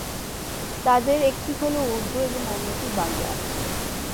তাদের একটি হলো উর্দু এবং অন্যটি বাংলা।